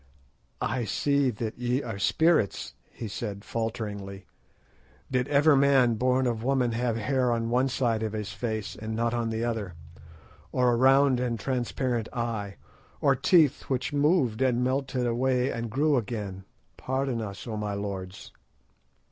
"I see that ye are spirits," he said falteringly; "did ever man born of woman have hair on one side of his face and not on the other, or a round and transparent eye, or teeth which moved and melted away and grew again? Pardon us, O my lords."